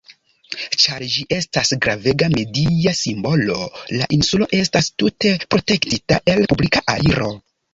Ĉar ĝi estas gravega media simbolo, la insulo estas tute protektita el publika aliro.